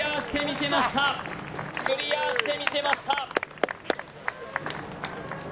よっしゃクリアしてみせました